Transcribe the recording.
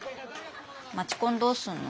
街コンどうすんの？